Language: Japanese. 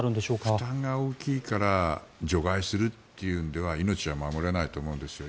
負担が大きいから除外をするというのは命は守れないと思うんですよ。